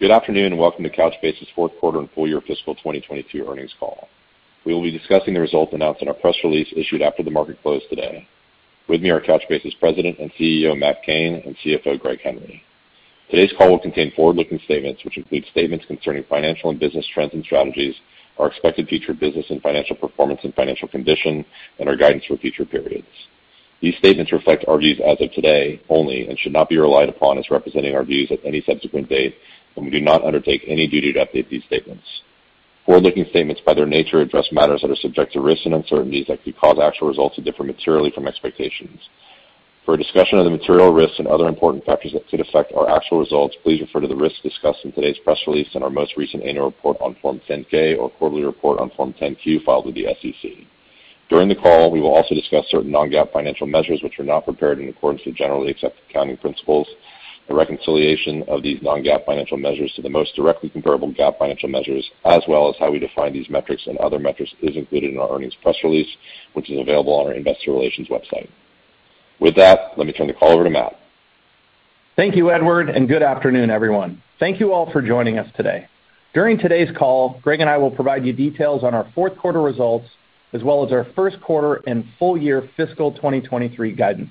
Good afternoon, and welcome to Couchbase's fourth quarter and full year fiscal 2022 earnings call. We will be discussing the results announced in our press release issued after the market closed today. With me are Couchbase's President and CEO, Matt Cain, and CFO, Greg Henry. Today's call will contain forward-looking statements, which include statements concerning financial and business trends and strategies, our expected future business and financial performance and financial condition, and our guidance for future periods. These statements reflect our views as of today only and should not be relied upon as representing our views at any subsequent date, and we do not undertake any duty to update these statements. Forward-looking statements by their nature address matters that are subject to risks and uncertainties that could cause actual results to differ materially from expectations. For a discussion of the material risks and other important factors that could affect our actual results, please refer to the risks discussed in today's press release and our most recent annual report on Form 10-K or quarterly report on Form 10-Q filed with the SEC. During the call, we will also discuss certain non-GAAP financial measures which are not prepared in accordance with generally accepted accounting principles. A reconciliation of these non-GAAP financial measures to the most directly comparable GAAP financial measures as well as how we define these metrics and other metrics is included in our earnings press release, which is available on our investor relations website. With that, let me turn the call over to Matt. Thank you, Edward, and good afternoon, everyone. Thank you all for joining us today. During today's call, Greg and I will provide you details on our fourth quarter results, as well as our first quarter and full-year fiscal 2023 guidance.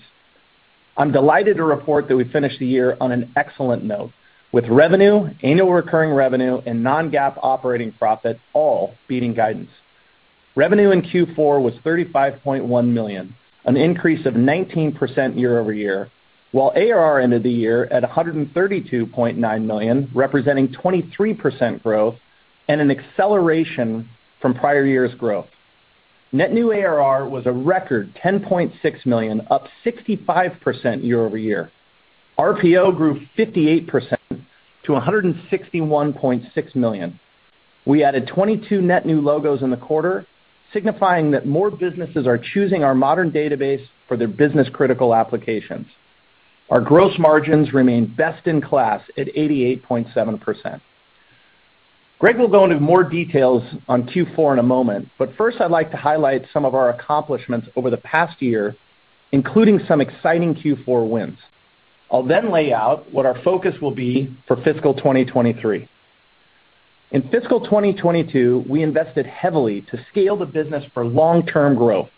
I'm delighted to report that we finished the year on an excellent note, with revenue, annual recurring revenue, and non-GAAP operating profit all beating guidance. Revenue in Q4 was $35.1 million, an increase of 19% year-over-year, while ARR ended the year at $132.9 million, representing 23% growth and an acceleration from prior year's growth. Net new ARR was a record $10.6 million, up 65% year-over-year. RPO grew 58% to $161.6 million. We added 22 net new logos in the quarter, signifying that more businesses are choosing our modern database for their business-critical applications. Our gross margins remain best in class at 88.7%. Greg will go into more details on Q4 in a moment, but first, I'd like to highlight some of our accomplishments over the past year, including some exciting Q4 wins. I'll then lay out what our focus will be for fiscal 2023. In fiscal 2022, we invested heavily to scale the business for long-term growth,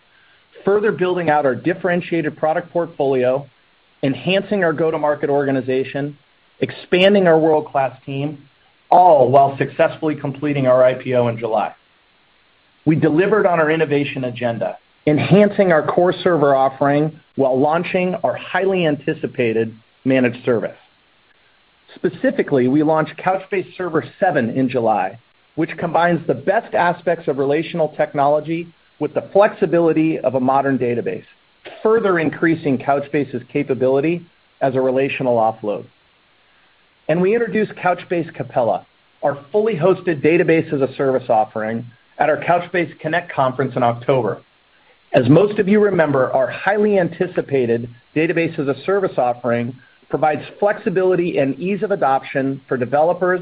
further building out our differentiated product portfolio, enhancing our go-to-market organization, expanding our world-class team, all while successfully completing our IPO in July. We delivered on our innovation agenda, enhancing our core server offering while launching our highly anticipated managed service. Specifically, we launched Couchbase Server 7 in July, which combines the best aspects of relational technology with the flexibility of a modern database, further increasing Couchbase's capability as a relational offload. We introduced Couchbase Capella, our fully hosted Database as a Service offering at our Couchbase Connect conference in October. As most of you remember, our highly anticipated Database as a Service offering provides flexibility and ease of adoption for developers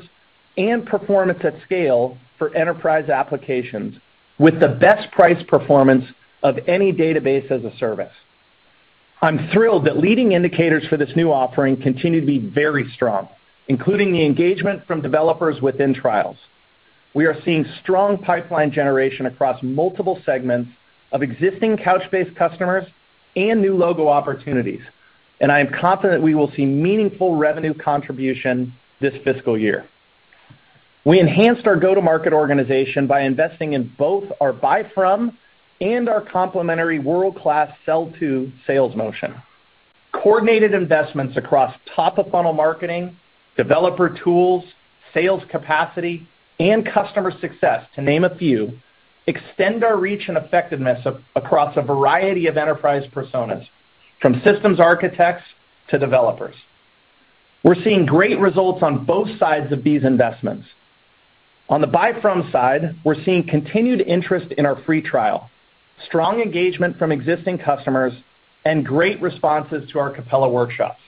and performance at scale for enterprise applications with the best price performance of any Database as a Service. I'm thrilled that leading indicators for this new offering continue to be very strong, including the engagement from developers within trials. We are seeing strong pipeline generation across multiple segments of existing Couchbase customers and new logo opportunities, and I am confident we will see meaningful revenue contribution this fiscal year. We enhanced our go-to-market organization by investing in both our buy from and our complementary world-class sell to sales motion. Coordinated investments across top-of-funnel marketing, developer tools, sales capacity, and customer success, to name a few, extend our reach and effectiveness across a variety of enterprise personas, from systems architects to developers. We're seeing great results on both sides of these investments. On the buy from side, we're seeing continued interest in our free trial, strong engagement from existing customers, and great responses to our Capella workshops.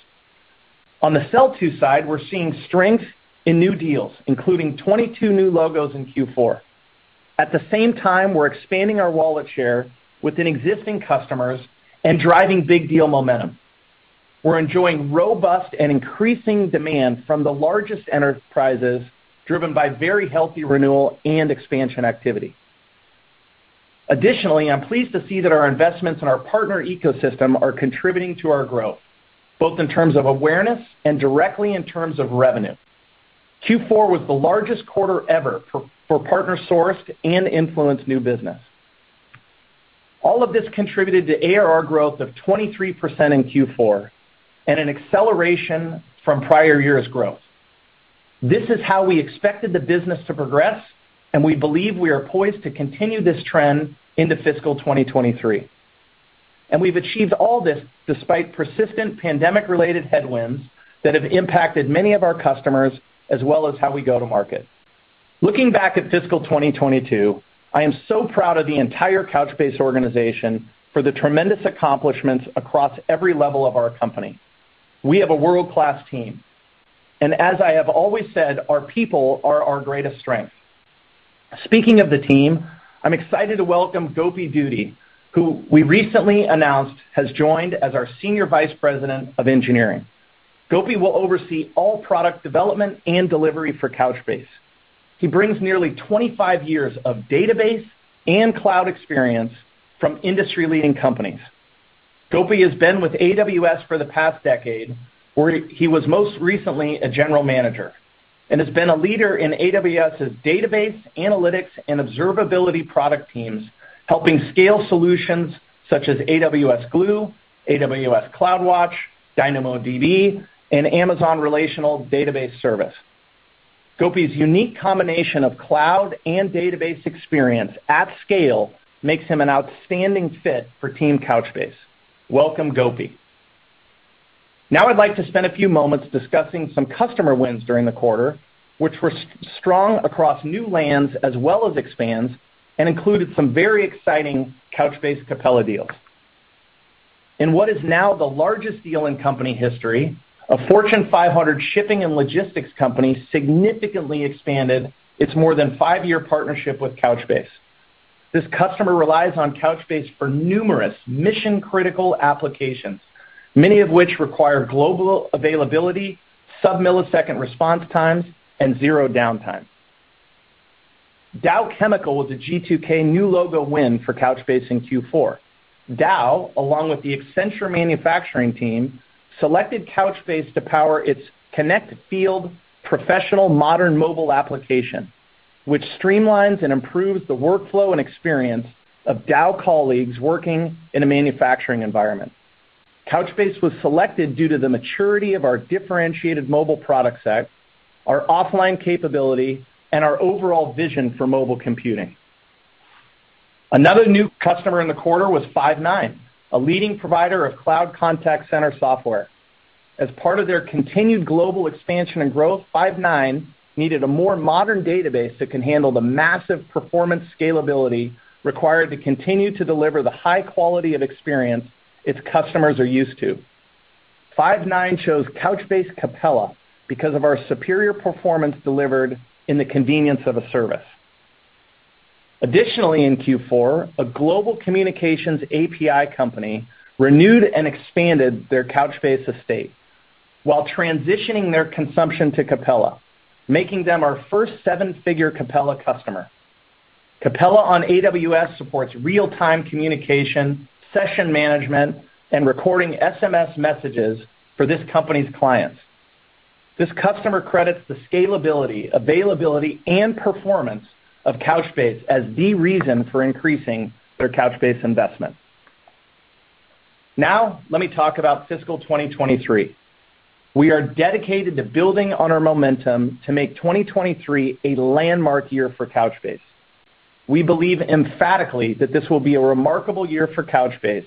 On the sell to side, we're seeing strength in new deals, including 22 new logos in Q4. At the same time, we're expanding our wallet share within existing customers and driving big deal momentum. We're enjoying robust and increasing demand from the largest enterprises, driven by very healthy renewal and expansion activity. Additionally, I'm pleased to see that our investments in our partner ecosystem are contributing to our growth, both in terms of awareness and directly in terms of revenue. Q4 was the largest quarter ever for partner-sourced and influenced new business. All of this contributed to ARR growth of 23% in Q4 and an acceleration from prior year's growth. This is how we expected the business to progress, and we believe we are poised to continue this trend into fiscal 2023. We've achieved all this despite persistent pandemic-related headwinds that have impacted many of our customers as well as how we go to market. Looking back at fiscal 2022, I am so proud of the entire Couchbase organization for the tremendous accomplishments across every level of our company. We have a world-class team, and as I have always said, our people are our greatest strength. Speaking of the team, I'm excited to welcome Gopi Duddi, who we recently announced has joined as our senior vice president of engineering. Gopi will oversee all product development and delivery for Couchbase. He brings nearly 25 years of database and cloud experience from industry-leading companies. Gopi has been with AWS for the past decade, where he was most recently a general manager, and has been a leader in AWS's database, analytics, and observability product teams, helping scale solutions such as AWS Glue, AWS CloudWatch, DynamoDB, and Amazon Relational Database Service. Gopi's unique combination of cloud and database experience at scale makes him an outstanding fit for Team Couchbase. Welcome, Gopi. Now I'd like to spend a few moments discussing some customer wins during the quarter, which were strong across new lands as well as expands, and included some very exciting Couchbase Capella deals. In what is now the largest deal in company history, a Fortune 500 shipping and logistics company significantly expanded its more than five-year partnership with Couchbase. This customer relies on Couchbase for numerous mission-critical applications, many of which require global availability, sub-millisecond response times, and zero downtime. Dow Chemical was a G2K new logo win for Couchbase in Q4. Dow, along with the Accenture manufacturing team, selected Couchbase to power its Connect Field professional modern mobile application, which streamlines and improves the workflow and experience of Dow colleagues working in a manufacturing environment. Couchbase was selected due to the maturity of our differentiated mobile product set, our offline capability, and our overall vision for mobile computing. Another new customer in the quarter was Five9, a leading provider of cloud contact center software. As part of their continued global expansion and growth, Five9 needed a more modern database that can handle the massive performance scalability required to continue to deliver the high quality of experience its customers are used to. Five9 chose Couchbase Capella because of our superior performance delivered in the convenience of a service. Additionally in Q4, a global communications API company renewed and expanded their Couchbase estate while transitioning their consumption to Capella, making them our first seven-figure Capella customer. Capella on AWS supports real-time communication, session management, and recording SMS messages for this company's clients. This customer credits the scalability, availability, and performance of Couchbase as the reason for increasing their Couchbase investment. Now let me talk about fiscal 2023. We are dedicated to building on our momentum to make 2023 a landmark year for Couchbase. We believe emphatically that this will be a remarkable year for Couchbase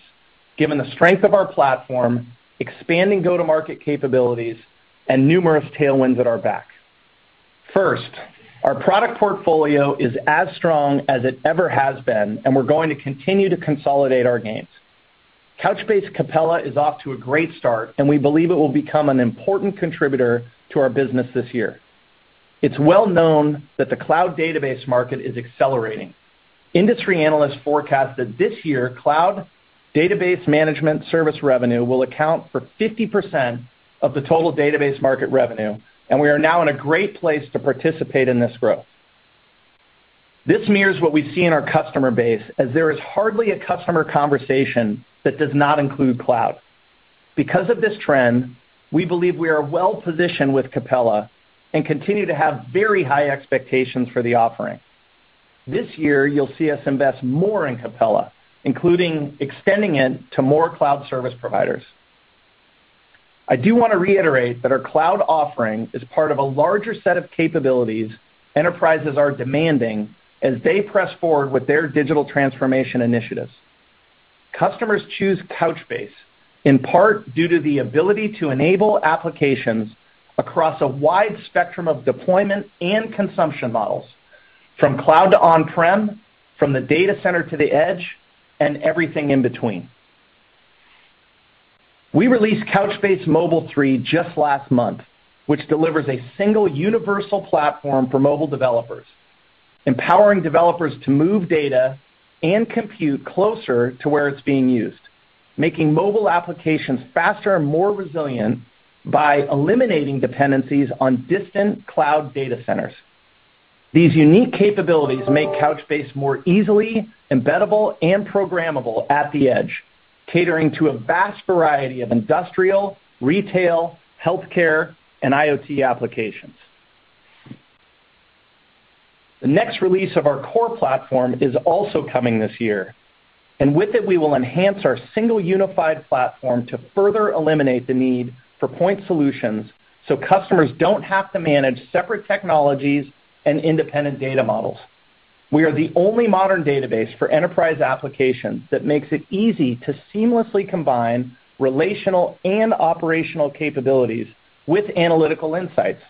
given the strength of our platform, expanding go-to-market capabilities, and numerous tailwinds at our back. First, our product portfolio is as strong as it ever has been, and we're going to continue to consolidate our gains. Couchbase Capella is off to a great start, and we believe it will become an important contributor to our business this year. It's well known that the cloud database market is accelerating. Industry analysts forecast that this year, cloud database management service revenue will account for 50% of the total database market revenue, and we are now in a great place to participate in this growth. This mirrors what we see in our customer base, as there is hardly a customer conversation that does not include cloud. Because of this trend, we believe we are well-positioned with Capella and continue to have very high expectations for the offering. This year, you'll see us invest more in Capella, including extending it to more cloud service providers. I do want to reiterate that our cloud offering is part of a larger set of capabilities enterprises are demanding as they press forward with their digital transformation initiatives. Customers choose Couchbase in part due to the ability to enable applications across a wide spectrum of deployment and consumption models, from cloud to on-prem, from the data center to the edge, and everything in between. We released Couchbase Mobile 3 just last month, which delivers a single universal platform for mobile developers, empowering developers to move data and compute closer to where it's being used, making mobile applications faster and more resilient by eliminating dependencies on distant cloud data centers. These unique capabilities make Couchbase more easily embeddable and programmable at the edge, catering to a vast variety of industrial, retail, healthcare, and IoT applications. The next release of our core platform is also coming this year, and with it, we will enhance our single unified platform to further eliminate the need for point solutions so customers don't have to manage separate technologies and independent data models. We are the only modern database for enterprise applications that makes it easy to seamlessly combine relational and operational capabilities with analytical insights.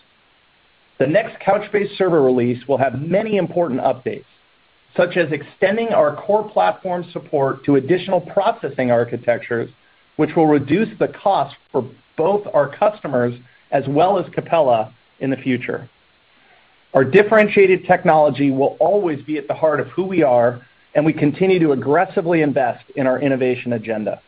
The next Couchbase Server release will have many important updates. Such as extending our core platform support to additional processing architectures, which will reduce the cost for both our customers as well as Capella in the future. Our differentiated technology will always be at the heart of who we are, and we continue to aggressively invest in our innovation agenda.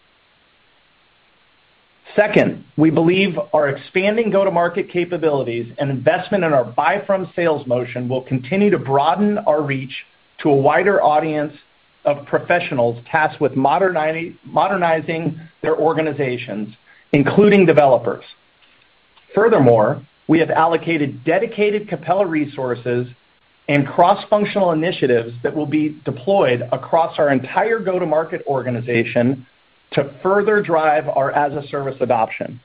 Second, we believe our expanding go-to-market capabilities and investment in our buy from sales motion will continue to broaden our reach to a wider audience of professionals tasked with modernizing their organizations, including developers. Furthermore, we have allocated dedicated Capella resources and cross-functional initiatives that will be deployed across our entire go-to-market organization to further drive our as-a-service adoption.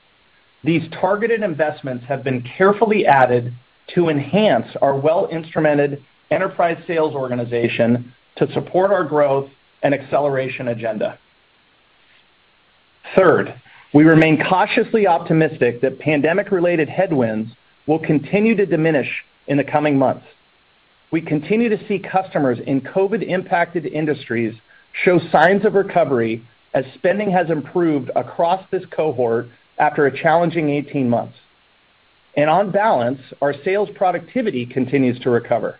These targeted investments have been carefully added to enhance our well-instrumented enterprise sales organization to support our growth and acceleration agenda. Third, we remain cautiously optimistic that pandemic-related headwinds will continue to diminish in the coming months. We continue to see customers in COVID-impacted industries show signs of recovery as spending has improved across this cohort after a challenging 18 months. On balance, our sales productivity continues to recover.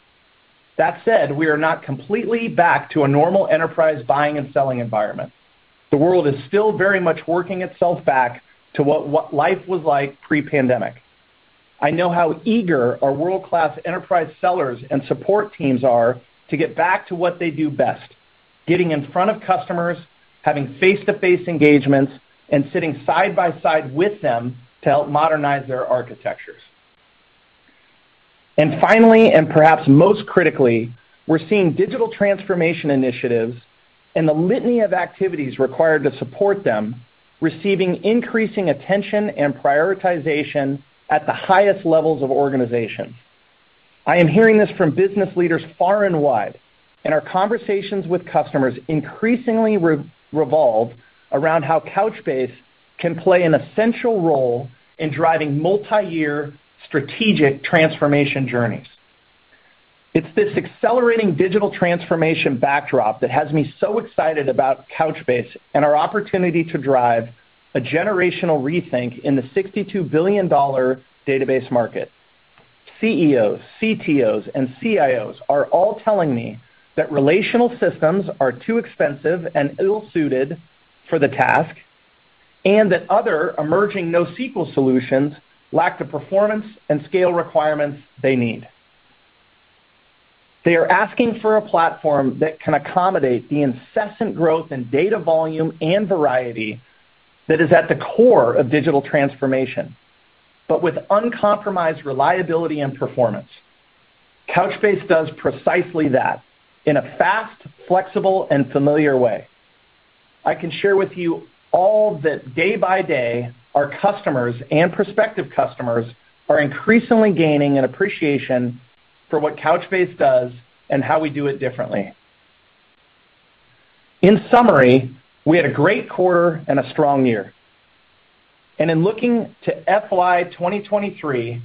That said, we are not completely back to a normal enterprise buying and selling environment. The world is still very much working itself back to what life was like pre-pandemic. I know how eager our world-class enterprise sellers and support teams are to get back to what they do best, getting in front of customers, having face-to-face engagements, and sitting side by side with them to help modernize their architectures. Finally, and perhaps most critically, we're seeing digital transformation initiatives and the litany of activities required to support them receiving increasing attention and prioritization at the highest levels of organization. I am hearing this from business leaders far and wide, and our conversations with customers increasingly revolve around how Couchbase can play an essential role in driving multi-year strategic transformation journeys. It's this accelerating digital transformation backdrop that has me so excited about Couchbase and our opportunity to drive a generational rethink in the $62 billion database market. CEOs, CTOs, and CIOs are all telling me that relational systems are too expensive and ill-suited for the task, and that other emerging NoSQL solutions lack the performance and scale requirements they need. They are asking for a platform that can accommodate the incessant growth in data volume and variety that is at the core of digital transformation, but with uncompromised reliability and performance. Couchbase does precisely that in a fast, flexible, and familiar way. I can share with you all that day by day, our customers and prospective customers are increasingly gaining an appreciation for what Couchbase does and how we do it differently. In summary, we had a great quarter and a strong year. In looking to FY 2023,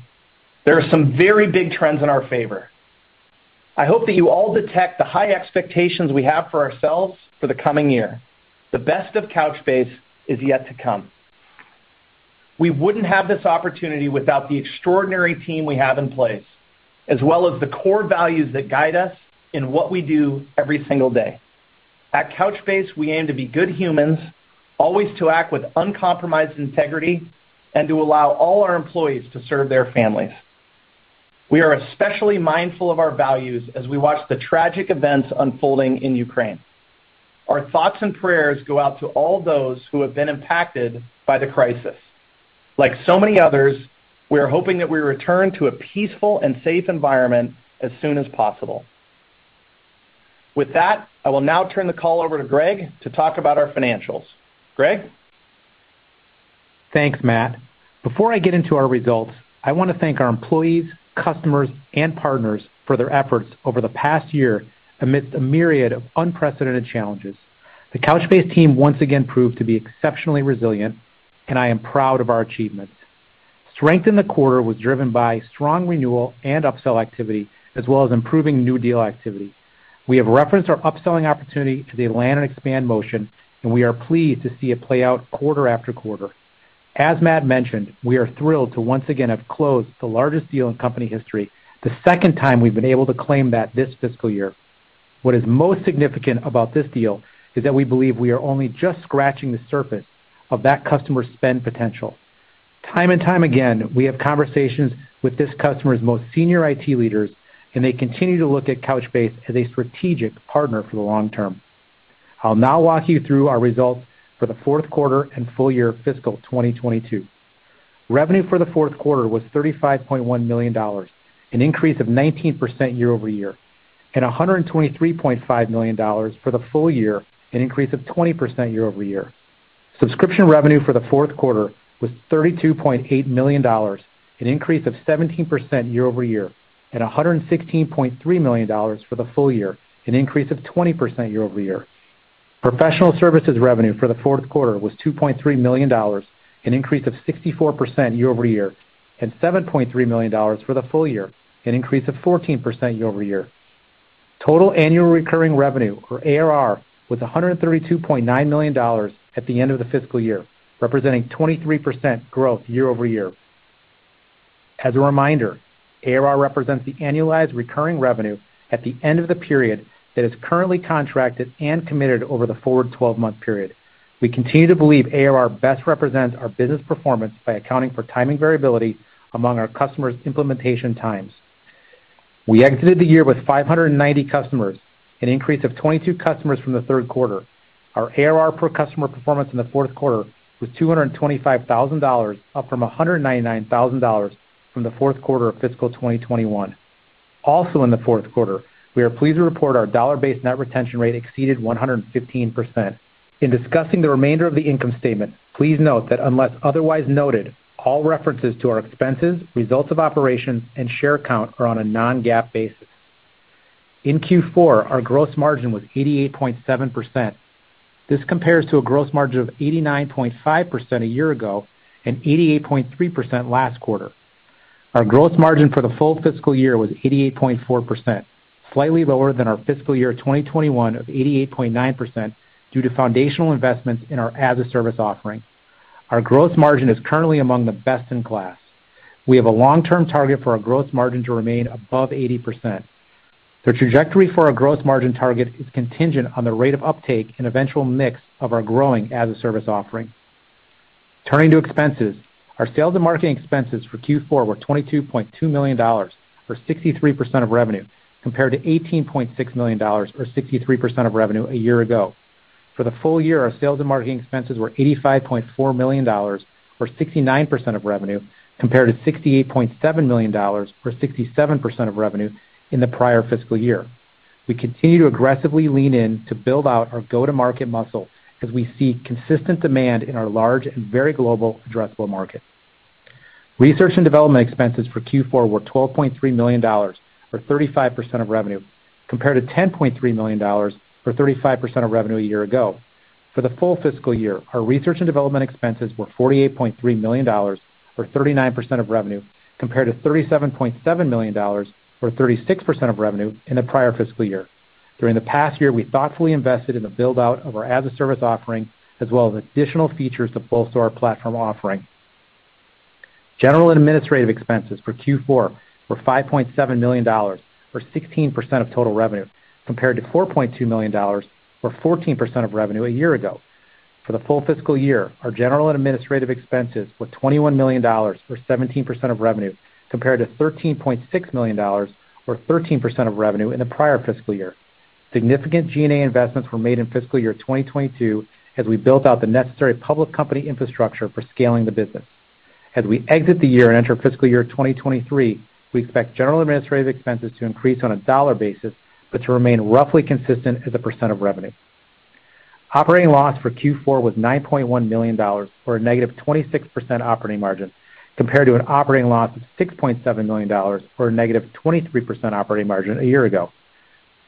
there are some very big trends in our favor. I hope that you all detect the high expectations we have for ourselves for the coming year. The best of Couchbase is yet to come. We wouldn't have this opportunity without the extraordinary team we have in place, as well as the core values that guide us in what we do every single day. At Couchbase, we aim to be good humans, always to act with uncompromised integrity, and to allow all our employees to serve their families. We are especially mindful of our values as we watch the tragic events unfolding in Ukraine. Our thoughts and prayers go out to all those who have been impacted by the crisis. Like so many others, we are hoping that we return to a peaceful and safe environment as soon as possible. With that, I will now turn the call over to Greg to talk about our financials. Greg? Thanks, Matt. Before I get into our results, I want to thank our employees, customers, and partners for their efforts over the past year amidst a myriad of unprecedented challenges. The Couchbase team once again proved to be exceptionally resilient, and I am proud of our achievements. Strength in the quarter was driven by strong renewal and upsell activity, as well as improving new deal activity. We have referenced our upselling opportunity to the land and expand motion, and we are pleased to see it play out quarter after quarter. As Matt mentioned, we are thrilled to once again have closed the largest deal in company history, the second time we've been able to claim that this fiscal year. What is most significant about this deal is that we believe we are only just scratching the surface of that customer's spend potential. Time and time again, we have conversations with this customer's most senior IT leaders, and they continue to look at Couchbase as a strategic partner for the long term. I'll now walk you through our results for the fourth quarter and full year fiscal 2022. Revenue for the fourth quarter was $35.1 million, an increase of 19% year over year, and $123.5 million for the full year, an increase of 20% year over year. Subscription revenue for the fourth quarter was $32.8 million, an increase of 17% year-over-year, and $116.3 million for the full year, an increase of 20% year-over-year. Professional services revenue for the fourth quarter was $2.3 million, an increase of 64% year-over-year, and $7.3 million for the full year, an increase of 14% year-over-year. Total annual recurring revenue, or ARR, was $132.9 million at the end of the fiscal year, representing 23% growth year-over-year. As a reminder, ARR represents the annualized recurring revenue at the end of the period that is currently contracted and committed over the forward twelve-month period. We continue to believe ARR best represents our business performance by accounting for timing variability among our customers' implementation times. We exited the year with 590 customers, an increase of 22 customers from the third quarter. Our ARR per customer performance in the fourth quarter was $225,000, up from $199,000 from the fourth quarter of fiscal 2021. Also in the fourth quarter, we are pleased to report our dollar-based net retention rate exceeded 115%. In discussing the remainder of the income statement, please note that unless otherwise noted, all references to our expenses, results of operations, and share count are on a non-GAAP basis. In Q4, our gross margin was 88.7%. This compares to a gross margin of 89.5% a year ago and 88.3% last quarter. Our gross margin for the full fiscal year was 88.4%, slightly lower than our fiscal year 2021 of 88.9% due to foundational investments in our as-a-service offering. Our gross margin is currently among the best in class. We have a long-term target for our gross margin to remain above 80%. The trajectory for our gross margin target is contingent on the rate of uptake and eventual mix of our growing as-a-service offering. Turning to expenses, our sales and marketing expenses for Q4 were $22.2 million, or 63% of revenue, compared to $18.6 million, or 63% of revenue, a year ago. For the full year, our sales and marketing expenses were $85.4 million, or 69% of revenue, compared to $68.7 million, or 67% of revenue, in the prior fiscal year. We continue to aggressively lean in to build out our go-to-market muscle as we see consistent demand in our large and very global addressable market. Research and development expenses for Q4 were $12.3 million, or 35% of revenue, compared to $10.3 million, or 35% of revenue, a year ago. For the full fiscal year, our research and development expenses were $48.3 million, or 39% of revenue, compared to $37.7 million, or 36% of revenue, in the prior fiscal year. During the past year, we thoughtfully invested in the build-out of our as-a-service offering, as well as additional features to bolster our platform offering. General and administrative expenses for Q4 were $5.7 million, or 16% of total revenue, compared to $4.2 million, or 14% of revenue, a year ago. For the full fiscal year, our general and administrative expenses were $21 million, or 17% of revenue, compared to $13.6 million, or 13% of revenue, in the prior fiscal year. Significant G&A investments were made in fiscal year 2022 as we built out the necessary public company infrastructure for scaling the business. As we exit the year and enter fiscal year 2023, we expect general and administrative expenses to increase on a dollar basis, but to remain roughly consistent as a % of revenue. Operating loss for Q4 was $9.1 million, or a -26% operating margin, compared to an operating loss of $6.7 million, or a -23% operating margin, a year ago.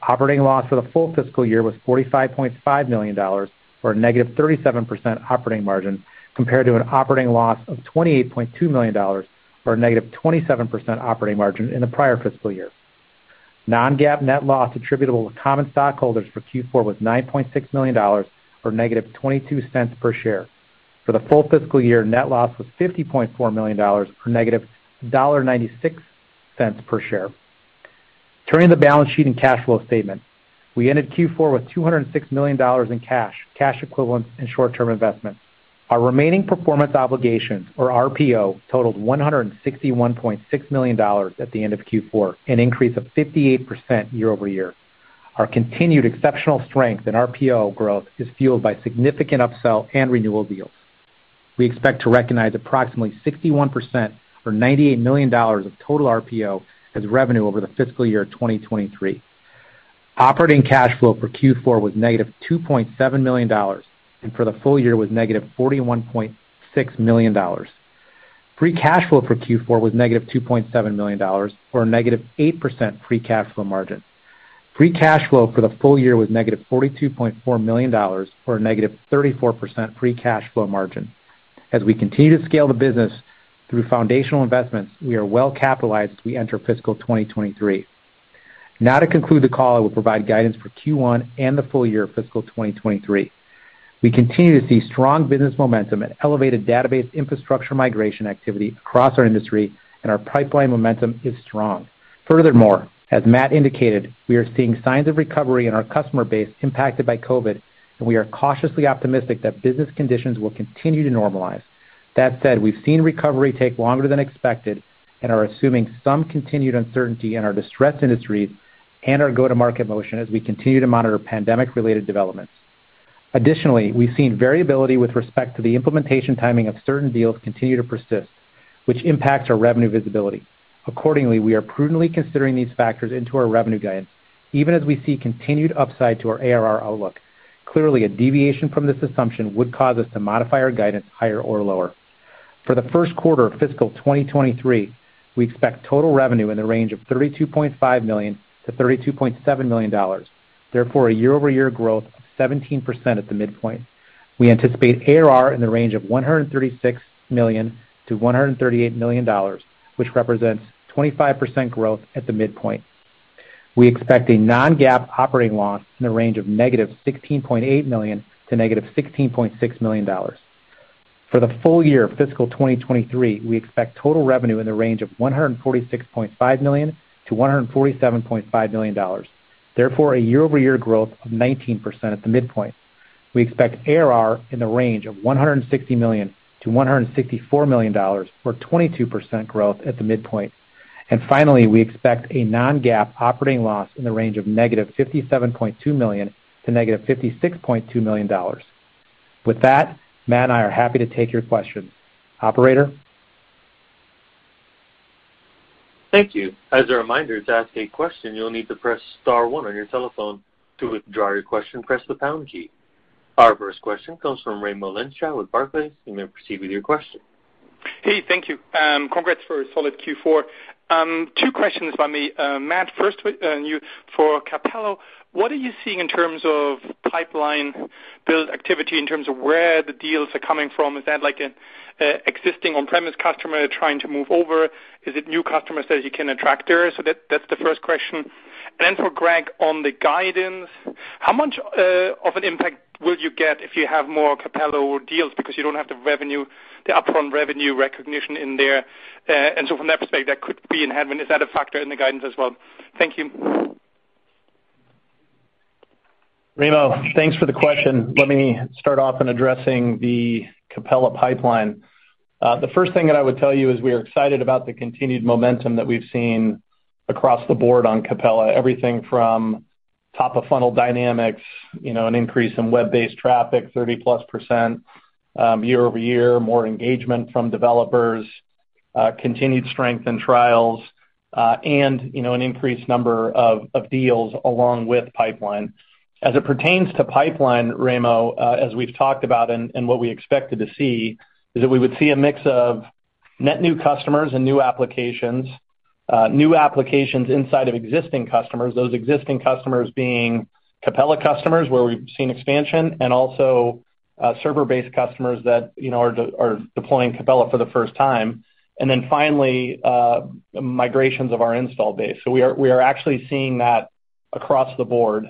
Operating loss for the full fiscal year was $45.5 million, or a -37% operating margin, compared to an operating loss of $28.2 million, or a -27% operating margin, in the prior fiscal year. Non-GAAP net loss attributable to common stockholders for Q4 was $9.6 million, or -$0.22 per share. For the full fiscal year, net loss was $50.4 million, or -$0.96 per share. Turning to the balance sheet and cash flow statement. We ended Q4 with $206 million in cash equivalents, and short-term investments. Our remaining performance obligations, or RPO, totaled $161.6 million at the end of Q4, an increase of 58% year-over-year. Our continued exceptional strength in RPO growth is fueled by significant upsell and renewal deals. We expect to recognize approximately 61% or $98 million of total RPO as revenue over the fiscal year 2023. Operating cash flow for Q4 was -$2.7 million, and for the full year was -$41.6 million. Free cash flow for Q4 was -$2.7 million, or a -8% free cash flow margin. Free cash flow for the full year was -$42.4 million, or a -34% free cash flow margin. As we continue to scale the business through foundational investments, we are well-capitalized as we enter fiscal 2023. Now to conclude the call, I will provide guidance for Q1 and the full year of fiscal 2023. We continue to see strong business momentum and elevated database infrastructure migration activity across our industry, and our pipeline momentum is strong. Furthermore, as Matt indicated, we are seeing signs of recovery in our customer base impacted by COVID, and we are cautiously optimistic that business conditions will continue to normalize. That said, we've seen recovery take longer than expected and are assuming some continued uncertainty in our distressed industries and our go-to-market motion as we continue to monitor pandemic-related developments. Additionally, we've seen variability with respect to the implementation timing of certain deals continue to persist, which impacts our revenue visibility. Accordingly, we are prudently considering these factors into our revenue guidance, even as we see continued upside to our ARR outlook. Clearly, a deviation from this assumption would cause us to modify our guidance higher or lower. For the first quarter of fiscal 2023, we expect total revenue in the range of $32.5 million-$32.7 million. Therefore, a year-over-year growth of 17% at the midpoint. We anticipate ARR in the range of $136 million-$138 million, which represents 25% growth at the midpoint. We expect a non-GAAP operating loss in the range of -$16.8 million to -$16.6 million. For the full year of fiscal 2023, we expect total revenue in the range of $146.5 million-$147.5 million. Therefore, a year-over-year growth of 19% at the midpoint. We expect ARR in the range of $160 million-$164 million, or 22% growth at the midpoint. Finally, we expect a non-GAAP operating loss in the range of -$57.2 million to -$56.2 million. With that, Matt and I are happy to take your questions. Operator? Thank you. As a reminder, to ask a question, you'll need to press star one on your telephone. To withdraw your question, press the pound key. Our first question comes from Raimo Lenschow with Barclays. You may proceed with your question. Hey, thank you. Congrats for a solid Q4. Two questions by me. Matt, first with you. For Capella, what are you seeing in terms of pipeline build activity in terms of where the deals are coming from? Is that like an existing on-premise customer trying to move over? Is it new customers that you can attract there? So that's the first question. And then for Greg, on the guidance, how much of an impact will you get if you have more Capella deals because you don't have the revenue, the upfront revenue recognition in there? And so from that perspective, that could be enhancement. Is that a factor in the guidance as well? Thank you. Raimo, thanks for the question. Let me start off in addressing the Capella pipeline. The first thing that I would tell you is we are excited about the continued momentum that we've seen across the board on Capella. Everything from top of funnel dynamics, you know, an increase in web-based traffic, 30%+ year-over-year, more engagement from developers, continued strength in trials, and, you know, an increased number of deals along with pipeline. As it pertains to pipeline, Raimo, as we've talked about and what we expected to see is that we would see a mix of net new customers and new applications, new applications inside of existing customers, those existing customers being Capella customers, where we've seen expansion, and also server-based customers that, you know, are deploying Capella for the first time. Finally, migrations of our install base. We are actually seeing that across the board,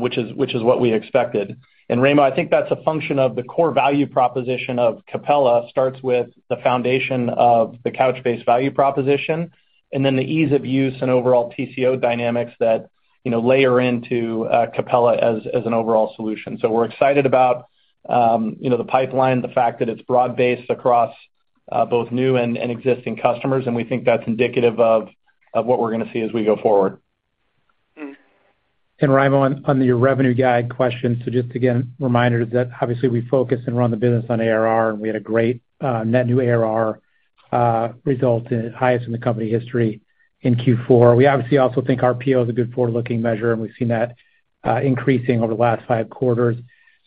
which is what we expected. Raimo, I think that's a function of the core value proposition of Capella, starts with the foundation of the Couchbase value proposition, and then the ease of use and overall TCO dynamics that, you know, layer into Capella as an overall solution. We're excited about, you know, the pipeline, the fact that it's broad-based across both new and existing customers, and we think that's indicative of what we're gonna see as we go forward. Mm. Raimo, on your revenue guide question, just again reminder that obviously we focus and run the business on ARR, and we had a great net new ARR result, highest in the company history in Q4. We obviously also think RPO is a good forward-looking measure, and we've seen that increasing over the last five quarters.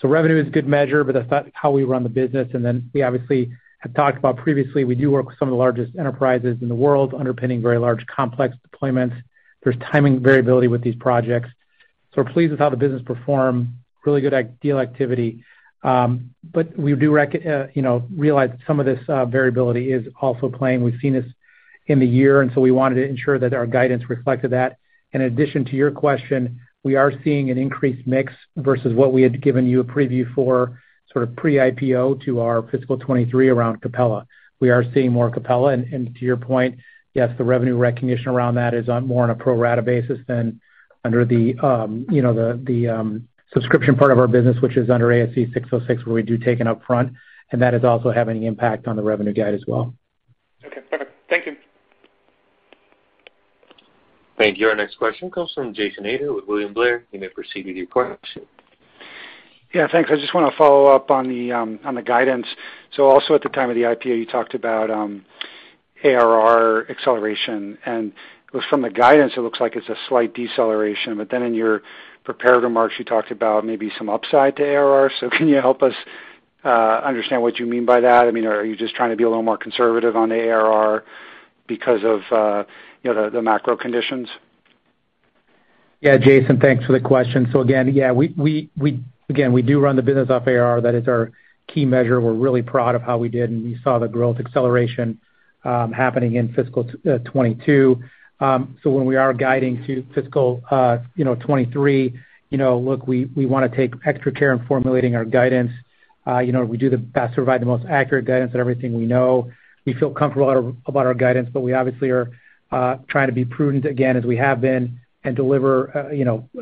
Revenue is a good measure, but that's not how we run the business. Then we obviously have talked about previously, we do work with some of the largest enterprises in the world, underpinning very large, complex deployments. There's timing variability with these projects. We're pleased with how the business performed, really good deal activity. But we do you know realize that some of this variability is also playing. We've seen this in the year, and so we wanted to ensure that our guidance reflected that. In addition to your question, we are seeing an increased mix versus what we had given you a preview for sort of pre-IPO to our fiscal 2023 around Capella. We are seeing more Capella. To your point, yes, the revenue recognition around that is more on a pro rata basis than under the, you know, the subscription part of our business, which is under ASC 606, where we do take an upfront, and that is also having impact on the revenue guide as well. Okay, perfect. Thank you. Thank you. Our next question comes from Jason Ader with William Blair. You may proceed with your question. Yeah, thanks. I just wanna follow up on the guidance. Also at the time of the IPO, you talked about ARR acceleration, and from the guidance, it looks like it's a slight deceleration. In your prepared remarks, you talked about maybe some upside to ARR. Can you help us understand what you mean by that? I mean, are you just trying to be a little more conservative on ARR because of you know, the macro conditions? Yeah, Jason, thanks for the question. So again, we do run the business off ARR. That is our key measure. We're really proud of how we did, and you saw the growth acceleration happening in fiscal 2022. So when we are guiding to fiscal 2023, you know, look, we wanna take extra care in formulating our guidance. You know, we do the best to provide the most accurate guidance on everything we know. We feel comfortable about our guidance, but we obviously are trying to be prudent, again, as we have been and deliver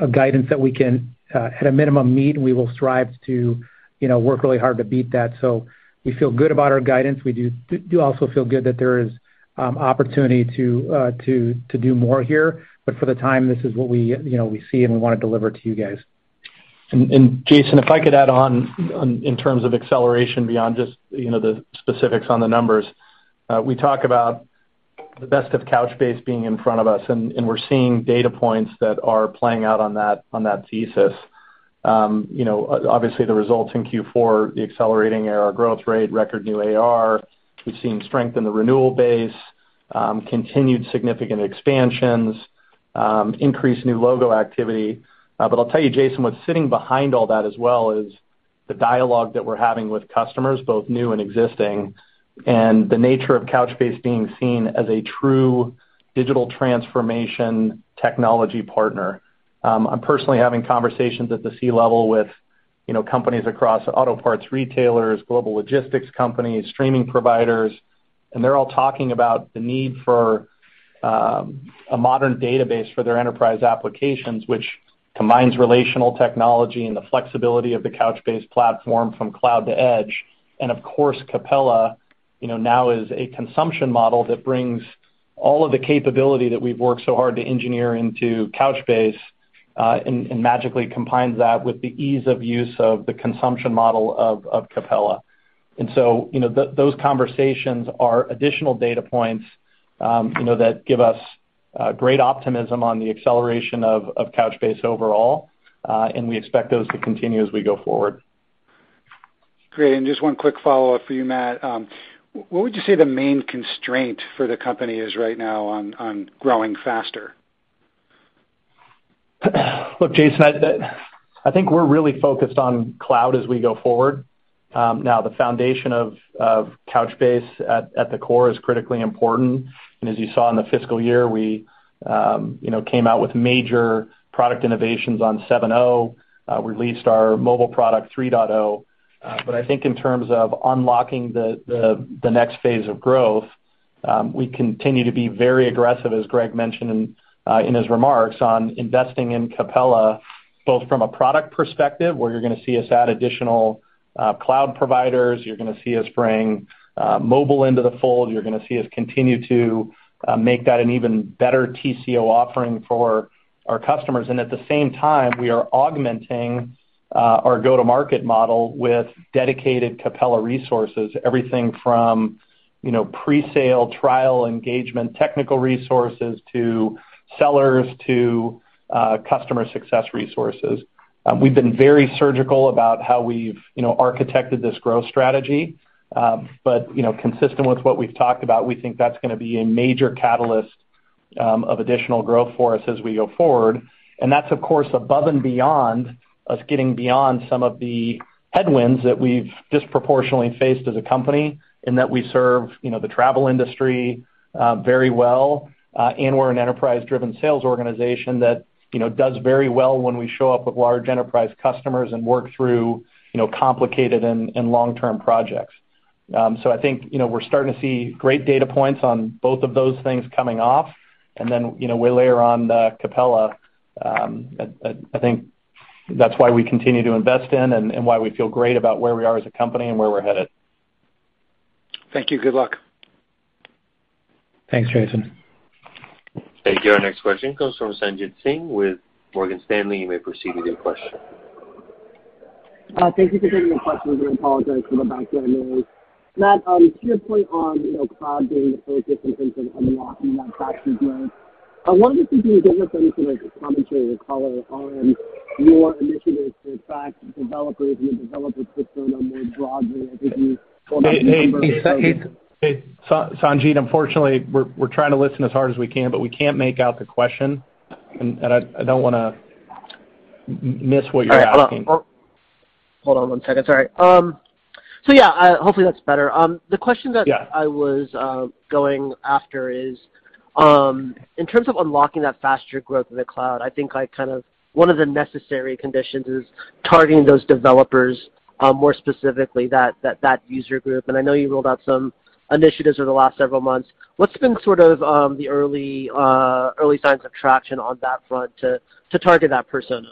a guidance that we can at a minimum meet. We will strive to, you know, work really hard to beat that. We feel good about our guidance. We do also feel good that there is opportunity to do more here. For the time, this is what we, you know, we see and we wanna deliver to you guys. Jason, if I could add on in terms of acceleration beyond just, you know, the specifics on the numbers. We talk about the best of Couchbase being in front of us, and we're seeing data points that are playing out on that thesis. You know, obviously, the results in Q4, the accelerating ARR growth rate, record new ARR. We've seen strength in the renewal base, continued significant expansions, increased new logo activity. But I'll tell you, Jason, what's sitting behind all that as well is the dialogue that we're having with customers, both new and existing, and the nature of Couchbase being seen as a true digital transformation technology partner. I'm personally having conversations at the C level with, you know, companies across auto parts retailers, global logistics companies, streaming providers, and they're all talking about the need for a modern database for their enterprise applications, which combines relational technology and the flexibility of the Couchbase platform from cloud to edge. Of course, Capella, you know, now is a consumption model that brings all of the capability that we've worked so hard to engineer into Couchbase and magically combines that with the ease of use of the consumption model of Capella. Those conversations are additional data points, you know, that give us great optimism on the acceleration of Couchbase overall, and we expect those to continue as we go forward. Great. Just one quick follow-up for you, Matt. What would you say the main constraint for the company is right now on growing faster? Look, Jason, I think we're really focused on cloud as we go forward. Now, the foundation of Couchbase at the core is critically important. As you saw in the fiscal year, we came out with major product innovations on 7.0, released our mobile product 3.0. But I think in terms of unlocking the next phase of growth, we continue to be very aggressive, as Greg mentioned in his remarks, on investing in Capella, both from a product perspective, where you're gonna see us add additional cloud providers. You're gonna see us bring mobile into the fold. You're gonna see us continue to make that an even better TCO offering for our customers. At the same time, we are augmenting our go-to-market model with dedicated Capella resources, everything from, you know, presale, trial engagement, technical resources to sellers, to customer success resources. We've been very surgical about how we've, you know, architected this growth strategy. You know, consistent with what we've talked about, we think that's gonna be a major catalyst of additional growth for us as we go forward. That's, of course, above and beyond us getting beyond some of the headwinds that we've disproportionately faced as a company, in that we serve, you know, the travel industry very well. We're an enterprise-driven sales organization that, you know, does very well when we show up with large enterprise customers and work through, you know, complicated and long-term projects. I think, you know, we're starting to see great data points on both of those things coming off. Then, you know, way later on, the Capella, I think that's why we continue to invest in and why we feel great about where we are as a company and where we're headed. Thank you. Good luck. Thanks, Jason. Thank you. Our next question comes from Sanjit Singh with Morgan Stanley. You may proceed with your question. Thank you for taking the question. I do apologize for the background noise. Matt, to your point on, you know, cloud being the focus in terms of unlocking that faster growth, I was wondering if you can give us any sort of commentary or color on your initiatives to attract developers and the developer persona more broadly as you go about. Hey, Sanjit, unfortunately, we're trying to listen as hard as we can, but we can't make out the question. I don't wanna miss what you're asking. All right. Hold on one second. Sorry. Yeah, hopefully that's better. The question that Yeah. What I was going after is in terms of unlocking that faster growth in the cloud. I think I kind of one of the necessary conditions is targeting those developers more specifically that user group, and I know you rolled out some initiatives over the last several months. What's been sort of the early signs of traction on that front to target that persona?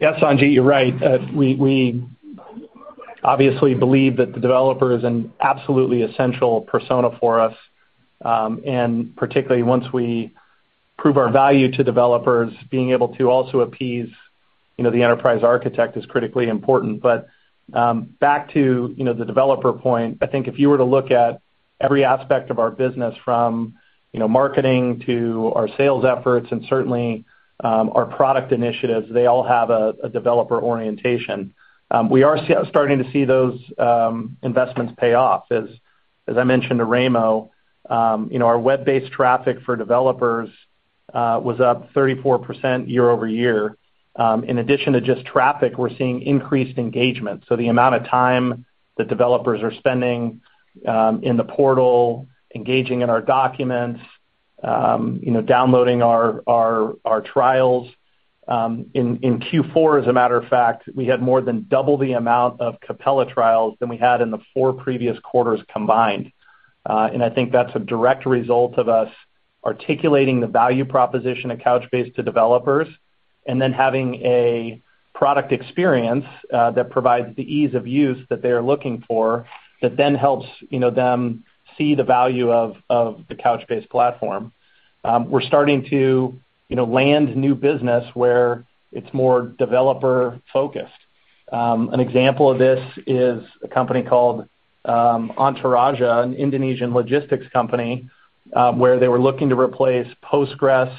Yeah, Sanjit, you're right. We obviously believe that the developer is an absolutely essential persona for us, and particularly once we prove our value to developers, being able to also appease, you know, the enterprise architect is critically important. Back to, you know, the developer point, I think if you were to look at every aspect of our business from, you know, marketing to our sales efforts and certainly our product initiatives, they all have a developer orientation. We are starting to see those investments pay off. As I mentioned to Raimo, you know, our web-based traffic for developers was up 34% year-over-year. In addition to just traffic, we're seeing increased engagement, so the amount of time that developers are spending in the portal, engaging in our documents, you know, downloading our trials. In Q4, as a matter of fact, we had more than double the amount of Capella trials than we had in the four previous quarters combined. I think that's a direct result of us articulating the value proposition of Couchbase to developers and then having a product experience that provides the ease of use that they are looking for that then helps, you know, them see the value of the Couchbase platform. We're starting to, you know, land new business where it's more developer-focused. An example of this is a company called Anteraja, an Indonesian logistics company, where they were looking to replace Postgres.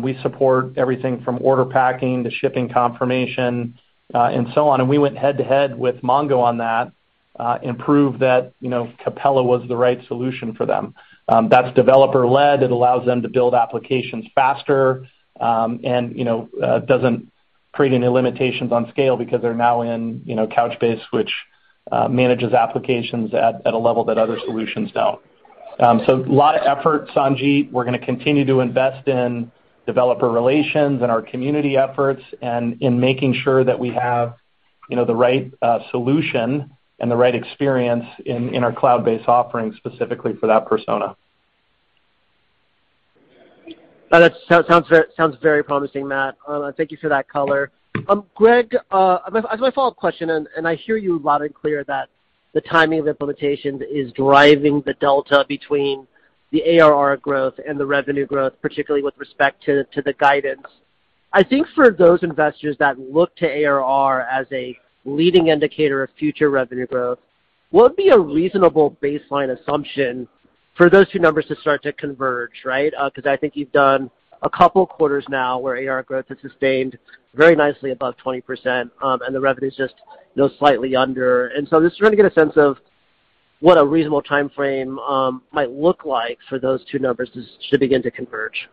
We support everything from order packing to shipping confirmation, and so on. We went head-to-head with Mongo on that, and proved that, you know, Capella was the right solution for them. That's developer-led. It allows them to build applications faster, and, you know, doesn't create any limitations on scale because they're now in, you know, Couchbase, which manages applications at a level that other solutions don't. A lot of effort, Sanjit. We're gonna continue to invest in developer relations and our community efforts and in making sure that we have, you know, the right solution and the right experience in our cloud-based offerings, specifically for that persona. That sounds very promising, Matt. Thank you for that color. Greg, as my follow-up question, I hear you loud and clear that the timing of implementation is driving the delta between the ARR growth and the revenue growth, particularly with respect to the guidance. I think for those investors that look to ARR as a leading indicator of future revenue growth, what would be a reasonable baseline assumption for those two numbers to start to converge, right? Because I think you've done a couple quarters now where ARR growth has sustained very nicely above 20%, and the revenue's just, you know, slightly under. Just trying to get a sense of what a reasonable timeframe might look like for those two numbers to begin to converge.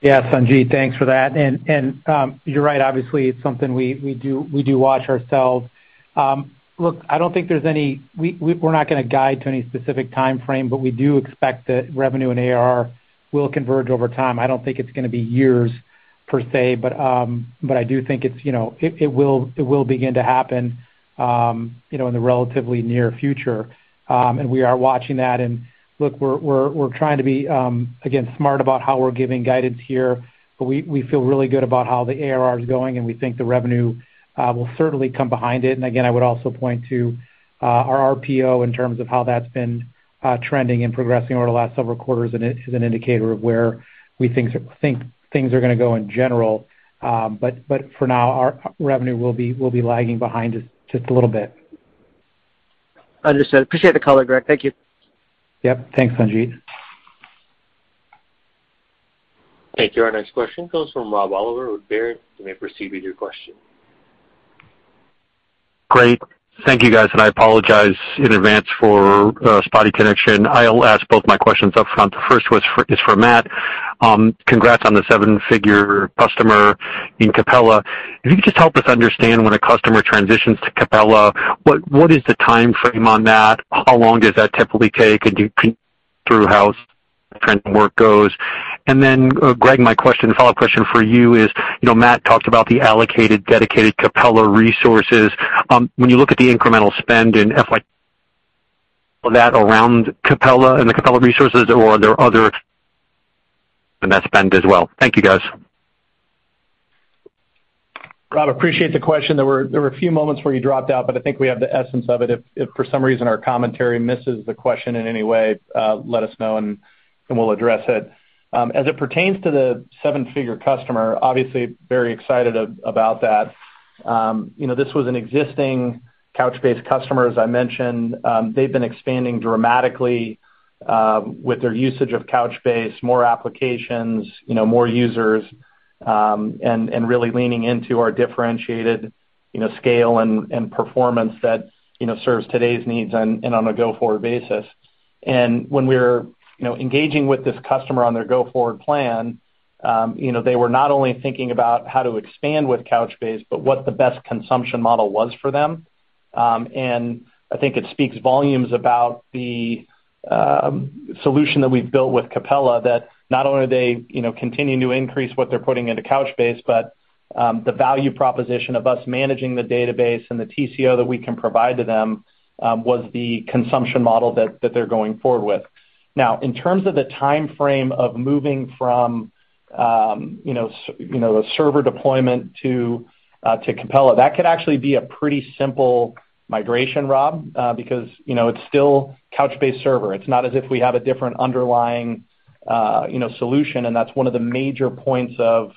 Yeah, Sanjit, thanks for that. You're right, obviously, it's something we do watch closely. Look, we're not gonna guide to any specific timeframe, but we do expect that revenue and ARR will converge over time. I don't think it's gonna be years per se, but I do think it's, you know, it will begin to happen, you know, in the relatively near future. We are watching that. Look, we're trying to be, again, smart about how we're giving guidance here, but we feel really good about how the ARR is going, and we think the revenue will certainly come behind it. I would also point to our RPO in terms of how that's been trending and progressing over the last several quarters and is an indicator of where we think things are gonna go in general. But for now, our revenue will be lagging behind just a little bit. Understood. Appreciate the color, Greg. Thank you. Yep. Thanks, Sanjit. Thank you. Our next question comes from Rob Oliver with Baird. You may proceed with your question. Great. Thank you, guys, and I apologize in advance for spotty connection. I'll ask both my questions upfront. The first is for Matt. Congrats on the seven-figure customer in Capella. If you could just help us understand when a customer transitions to Capella, what is the timeframe on that? How long does that typically take? Can you walk through how the transition works? Greg, my follow-up question for you is, you know, Matt talked about the allocated dedicated Capella resources. When you look at the incremental spend in FY 2024 that's around Capella and the Capella resources or are there other things in that spend as well? Thank you, guys. Rob, appreciate the question. There were a few moments where you dropped out, but I think we have the essence of it. If for some reason our commentary misses the question in any way, let us know and we'll address it. As it pertains to the seven-figure customer, obviously very excited about that. You know, this was an existing Couchbase customer, as I mentioned. They've been expanding dramatically with their usage of Couchbase, more applications, you know, more users, and really leaning into our differentiated, you know, scale and performance that, you know, serves today's needs on and on a go-forward basis. When we're, you know, engaging with this customer on their go-forward plan, you know, they were not only thinking about how to expand with Couchbase, but what the best consumption model was for them. I think it speaks volumes about the solution that we've built with Capella that not only are they continuing to increase what they're putting into Couchbase, but the value proposition of us managing the database and the TCO that we can provide to them was the consumption model that they're going forward with. Now, in terms of the timeframe of moving from a server deployment to Capella, that could actually be a pretty simple migration, Rob, because it's still Couchbase Server. It's not as if we have a different underlying solution, and that's one of the major points of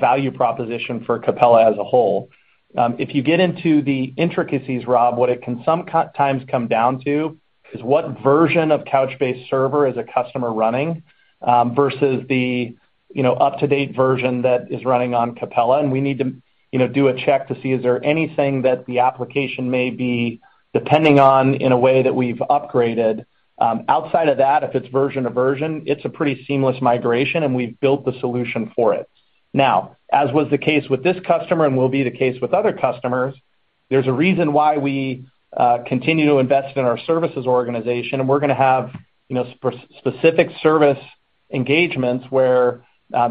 value proposition for Capella as a whole. If you get into the intricacies, Rob, what it can sometimes come down to is what version of Couchbase Server is a customer running, versus the, you know, up-to-date version that is running on Capella. We need to, you know, do a check to see is there anything that the application may be depending on in a way that we've upgraded. Outside of that, if it's version to version, it's a pretty seamless migration, and we've built the solution for it. Now, as was the case with this customer and will be the case with other customers, there's a reason why we continue to invest in our services organization, and we're gonna have, you know, specific service engagements where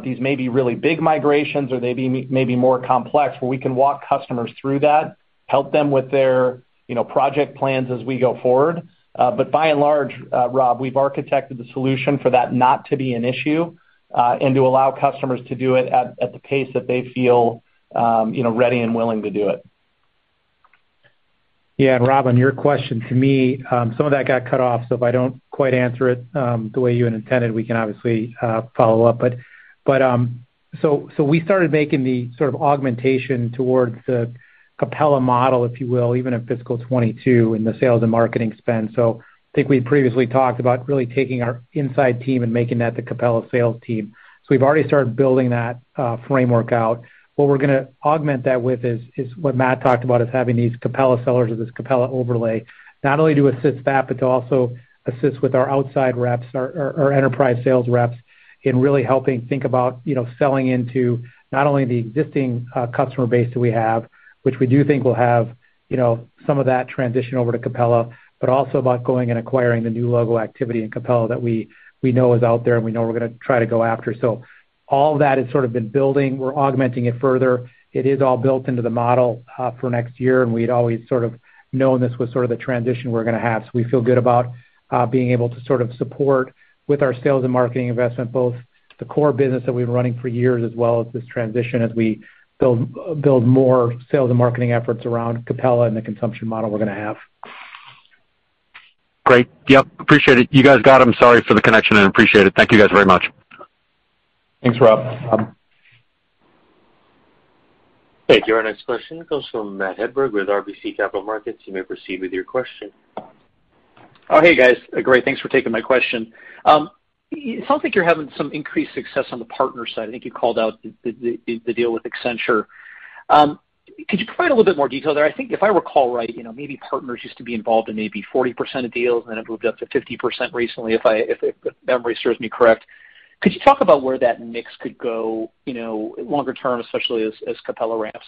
these may be really big migrations or they may be more complex, where we can walk customers through that, help them with their, you know, project plans as we go forward. But by and large, Rob, we've architected the solution for that not to be an issue, and to allow customers to do it at the pace that they feel, you know, ready and willing to do it. Yeah, and Rob, in your question to me, some of that got cut off, so if I don't quite answer it the way you had intended, we can obviously follow up. We started making the sort of augmentation towards the Capella model, if you will, even in fiscal 2022 in the sales and marketing spend. I think we previously talked about really taking our inside team and making that the Capella sales team. We've already started building that framework out. What we're gonna augment that with is what Matt talked about, is having these Capella sellers or this Capella overlay, not only to assist that, but to also assist with our outside reps, our enterprise sales reps in really helping think about, you know, selling into not only the existing customer base that we have, which we do think will have, you know, some of that transition over to Capella, but also about going and acquiring the new logo activity in Capella that we know is out there, and we know we're gonna try to go after. All that has sort of been building. We're augmenting it further. It is all built into the model for next year, and we'd always sort of known this was sort of the transition we're gonna have. We feel good about being able to sort of support with our sales and marketing investment, both the core business that we've been running for years as well as this transition as we build more sales and marketing efforts around Capella and the consumption model we're gonna have. Great. Yep, appreciate it. You guys got them. Sorry for the connection, and I appreciate it. Thank you guys very much. Thanks, Rob. Thank you. Our next question comes from Matt Hedberg with RBC Capital Markets. You may proceed with your question. Oh, hey, guys. Great. Thanks for taking my question. It sounds like you're having some increased success on the partner side. I think you called out the deal with Accenture. Could you provide a little bit more detail there? I think if I recall right, you know, maybe partners used to be involved in maybe 40% of deals, and then it moved up to 50% recently, if memory serves me correct. Could you talk about where that mix could go, you know, longer term, especially as Capella ramps?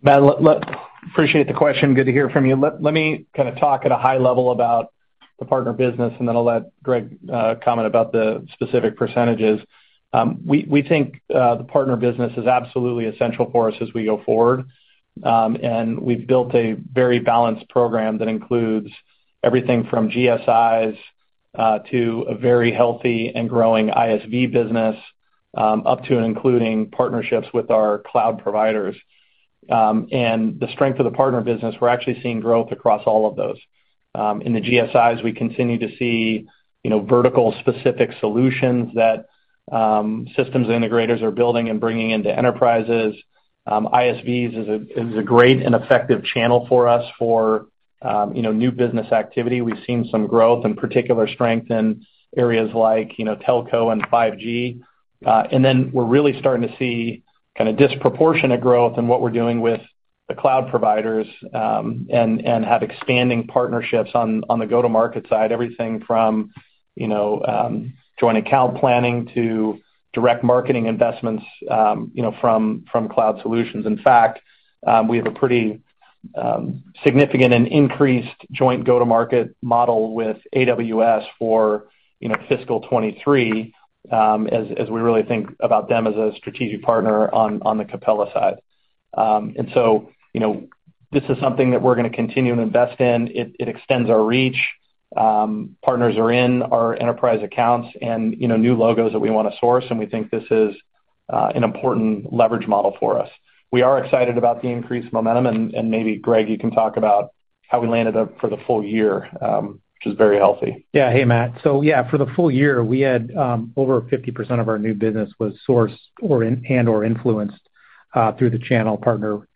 Matt, I appreciate the question. Good to hear from you. Let me kinda talk at a high level about the partner business, and then I'll let Greg comment about the specific percentages. We think the partner business is absolutely essential for us as we go forward. We've built a very balanced program that includes everything from GSIs to a very healthy and growing ISV business up to and including partnerships with our cloud providers. The strength of the partner business, we're actually seeing growth across all of those. In the GSIs, we continue to see vertical specific solutions that systems integrators are building and bringing into enterprises. ISVs is a great and effective channel for us for new business activity. We've seen some growth and particular strength in areas like, you know, telco and 5G. We're really starting to see kinda disproportionate growth in what we're doing with the cloud providers, and have expanding partnerships on the go-to-market side, everything from, you know, joint account planning to direct marketing investments, you know, from cloud solutions. In fact, we have a pretty significant and increased joint go-to-market model with AWS for, you know, fiscal 2023, as we really think about them as a strategic partner on the Capella side. You know, this is something that we're gonna continue to invest in. It extends our reach. Partners are in our enterprise accounts and, you know, new logos that we wanna source, and we think this is an important leverage model for us. We are excited about the increased momentum, and maybe Greg, you can talk about how we ended up for the full year, which is very healthy. Yeah. Hey, Matt. Yeah, for the full year, we had over 50% of our new business was sourced or and/or influenced through the channel partner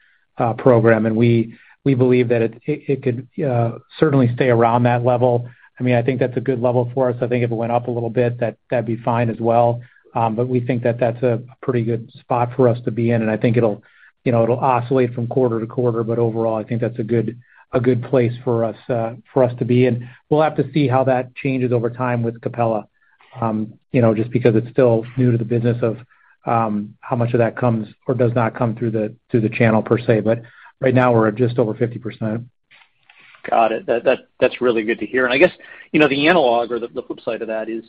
program. We believe that it could certainly stay around that level. I mean, I think that's a good level for us. I think if it went up a little bit, that'd be fine as well. We think that that's a pretty good spot for us to be in, and I think it'll, you know, it'll oscillate from quarter to quarter, but overall, I think that's a good place for us to be. We'll have to see how that changes over time with Capella, you know, just because it's still new to the business of how much of that comes or does not come through the channel per se. Right now, we're at just over 50%. Got it. That's really good to hear. I guess you know the analog or the flip side of that is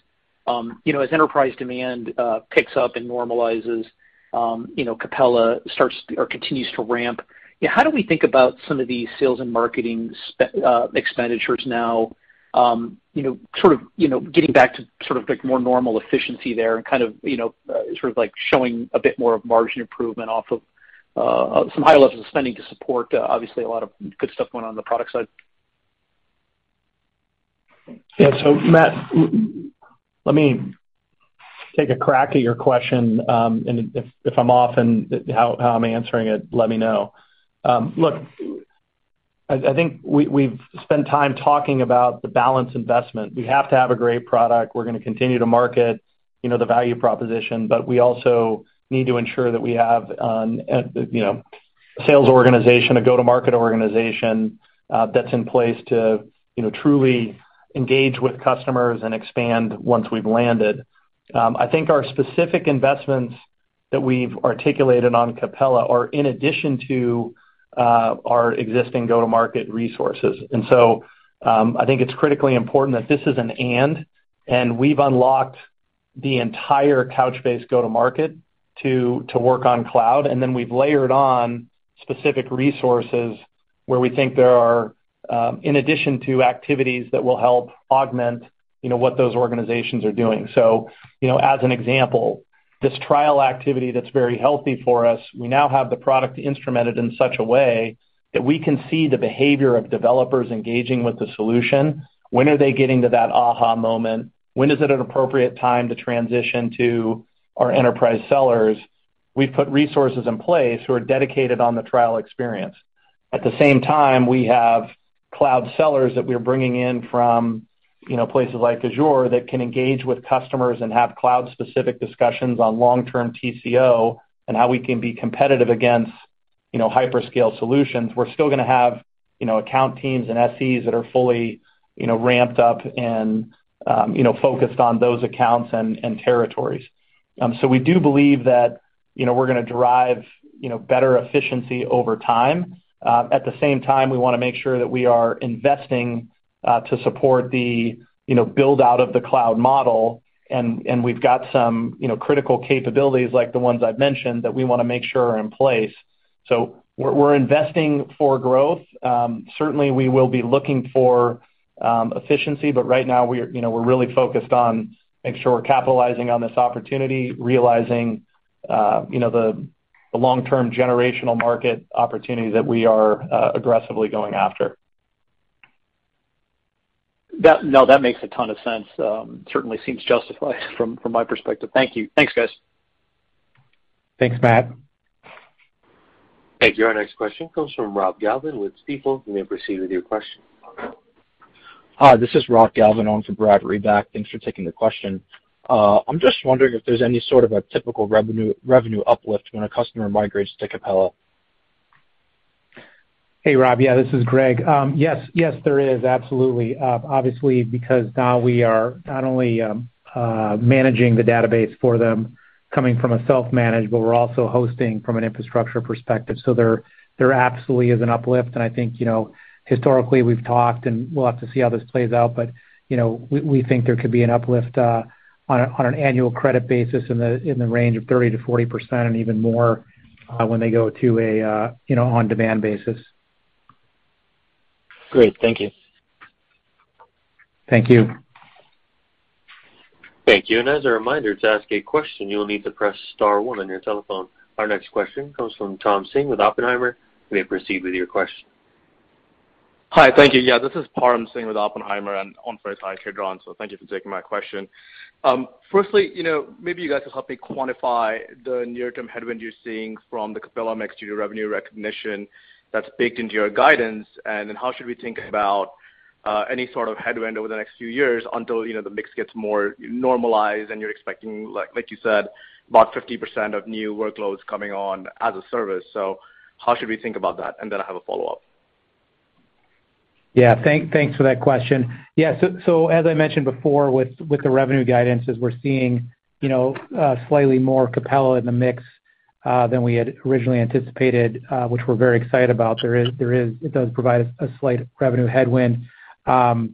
you know as enterprise demand picks up and normalizes you know Capella starts or continues to ramp you know how do we think about some of these sales and marketing expenditures now you know sort of you know getting back to sort of like more normal efficiency there and kind of you know sort of like showing a bit more of margin improvement off of some higher levels of spending to support obviously a lot of good stuff going on the product side? Yeah. Matt, let me take a crack at your question, and if I'm off in how I'm answering it, let me know. Look, I think we've spent time talking about the balanced investment. We have to have a great product. We're gonna continue to market, you know, the value proposition, but we also need to ensure that we have a sales organization, a go-to-market organization that's in place to truly engage with customers and expand once we've landed. I think our specific investments that we've articulated on Capella are in addition to our existing go-to-market resources. I think it's critically important that this is an and we've unlocked the entire Couchbase go-to-market to work on cloud, and then we've layered on specific resources where we think there are in addition to activities that will help augment, you know, what those organizations are doing. You know, as an example, this trial activity that's very healthy for us, we now have the product instrumented in such a way that we can see the behavior of developers engaging with the solution. When are they getting to that aha moment? When is it an appropriate time to transition to our enterprise sellers? We've put resources in place who are dedicated on the trial experience. At the same time, we have cloud sellers that we are bringing in from, you know, places like Azure that can engage with customers and have cloud-specific discussions on long-term TCO and how we can be competitive against, you know, hyperscale solutions. We're still gonna have, you know, account teams and SEs that are fully, you know, ramped up and, you know, focused on those accounts and territories. So we do believe that, you know, we're gonna drive, you know, better efficiency over time. At the same time, we wanna make sure that we are investing to support the, you know, build-out of the cloud model, and we've got some, you know, critical capabilities like the ones I've mentioned that we wanna make sure are in place. So we're investing for growth. Certainly, we will be looking for efficiency, but right now we're, you know, we're really focused on making sure we're capitalizing on this opportunity, realizing, you know, the long-term generational market opportunity that we are aggressively going after. No, that makes a ton of sense. Certainly seems justified from my perspective. Thank you. Thanks, guys. Thanks, Matt. Thank you. Our next question comes from Rob Galvin with Stifel. You may proceed with your question. Hi, this is Rob Galvin, on for Brad Reback. Thanks for taking the question. I'm just wondering if there's any sort of a typical revenue uplift when a customer migrates to Capella. Hey, Rob. Yeah, this is Greg. Yes. Yes, there is, absolutely. Obviously, because now we are not only managing the database for them coming from a self-managed, but we're also hosting from an infrastructure perspective. There absolutely is an uplift. I think, you know, historically, we've talked, and we'll have to see how this plays out, but, you know, we think there could be an uplift on an annual credit basis in the range of 30%-40% and even more when they go to a you know, on-demand basis. Great. Thank you. Thank you. Thank you. As a reminder, to ask a question, you'll need to press star one on your telephone. Our next question comes from Param Singh with Oppenheimer. You may proceed with your question. Hi. Thank you. Yeah, this is Param Singh with Oppenheimer, and on for Sai Sridharan, so thank you for taking my question. Firstly, you know, maybe you guys could help me quantify the near-term headwind you're seeing from the Capella mix to your revenue recognition that's baked into your guidance. Then how should we think about any sort of headwind over the next few years until, you know, the mix gets more normalized and you're expecting, like you said, about 50% of new workloads coming on as a service? How should we think about that? Then I have a follow-up. Thanks for that question. As I mentioned before with the revenue guidances, we're seeing you know slightly more Capella in the mix than we had originally anticipated, which we're very excited about. It does provide a slight revenue headwind. Over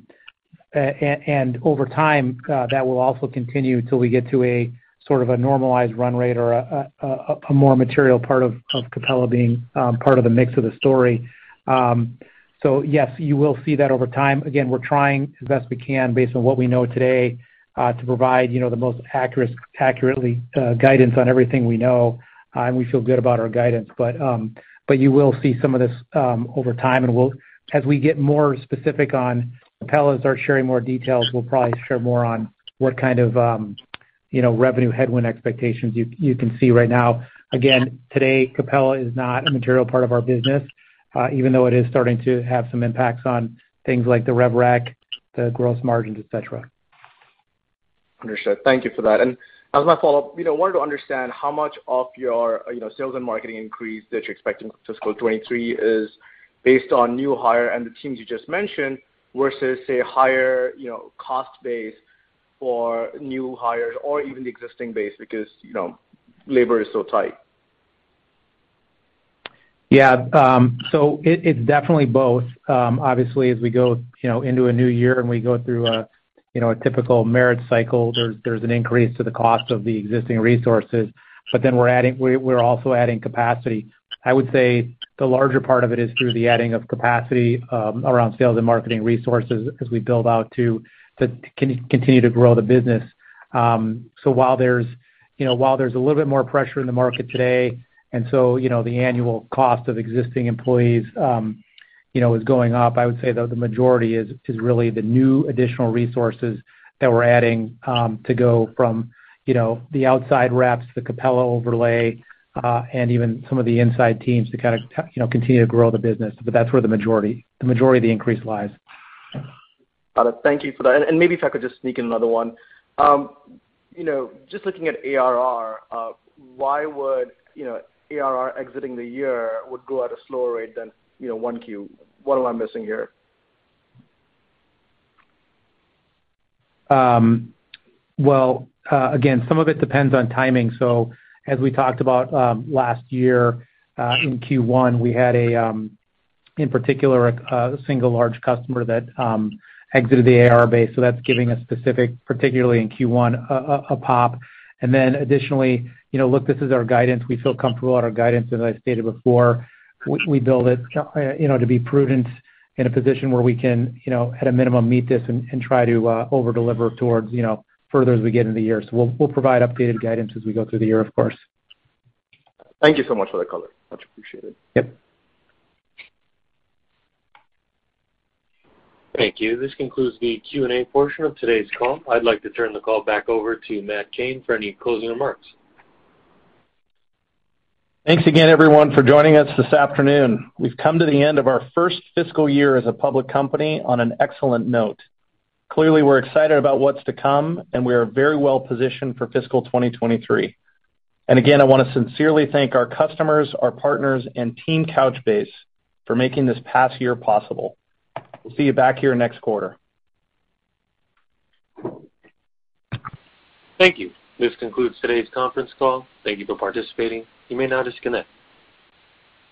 time, that will also continue till we get to a sort of a normalized run rate or a more material part of Capella being part of the mix of the story. Yes, you will see that over time. Again, we're trying as best we can, based on what we know today, to provide you know the most accurate guidance on everything we know. We feel good about our guidance. You will see some of this over time, and as we get more specific on Capella and start sharing more details, we'll probably share more on what kind of, you know, revenue headwind expectations you can see right now. Again, today, Capella is not a material part of our business, even though it is starting to have some impacts on things like the rev rec, the gross margins, et cetera. Understood. Thank you for that. As my follow-up, you know, wanted to understand how much of your, you know, sales and marketing increase that you're expecting in fiscal 2023 is based on new hire and the teams you just mentioned versus, say, higher, you know, cost base for new hires or even the existing base because, you know, labor is so tight. It's definitely both. Obviously, as we go, you know, into a new year and we go through a, you know, a typical merit cycle, there's an increase to the cost of the existing resources. We're also adding capacity. I would say the larger part of it is through the adding of capacity around sales and marketing resources as we build out to continue to grow the business. While there's a little bit more pressure in the market today, you know, the annual cost of existing employees, you know, is going up. I would say, though, the majority is really the new additional resources that we're adding to go from, you know, the outside reps, the Capella overlay, and even some of the inside teams to kind of, you know, continue to grow the business. That's where the majority of the increase lies. Got it. Thank you for that. Maybe if I could just sneak in another one. You know, just looking at ARR, why would ARR exiting the year would grow at a slower rate than 1Q? What am I missing here? Well, again, some of it depends on timing. As we talked about, last year, in Q1, we had, in particular, a single large customer that exited the ARR base, so that's giving, specifically, particularly in Q1, a drop. Additionally, you know, look, this is our guidance. We feel comfortable with our guidance. As I stated before, we build it to be prudent in a position where we can, you know, at a minimum, meet this and try to over-deliver towards, you know, further as we get into the year. We'll provide updated guidance as we go through the year, of course. Thank you so much for the color. Much appreciated. Yep. Thank you. This concludes the Q&A portion of today's call. I'd like to turn the call back over to Matt Cain for any closing remarks. Thanks again, everyone, for joining us this afternoon. We've come to the end of our first fiscal year as a public company on an excellent note. Clearly, we're excited about what's to come, and we are very well positioned for fiscal 2023. Again, I wanna sincerely thank our customers, our partners, and Team Couchbase for making this past year possible. We'll see you back here next quarter. Thank you. This concludes today's conference call. Thank you for participating. You may now disconnect.